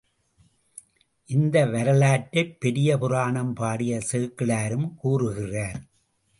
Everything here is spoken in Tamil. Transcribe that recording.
இந்த வரலாற்றை பெரிய புராணம் பாடிய சேக்கிழாரும் கூறுகிறார்.